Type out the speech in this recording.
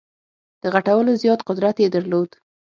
د غټولو زیات قدرت یې درلود.